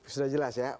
sudah jelas ya